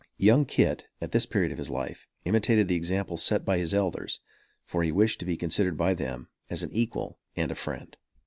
Young Kit, at this period of his life, imitated the example set by his elders, for he wished to be considered by them as an equal and a friend.